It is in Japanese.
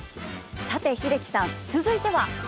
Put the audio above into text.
さて英樹さん続いては？